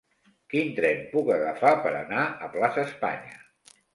Quin tren puc agafar per anar a Plaça Espanya?